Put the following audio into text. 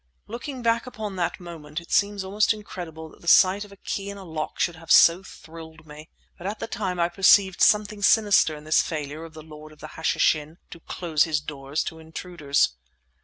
Looking back upon that moment, it seems almost incredible that the sight of a key in a lock should have so thrilled me. But at the time I perceived something sinister in this failure of the Lord of the Hashishin to close his doors to intruders.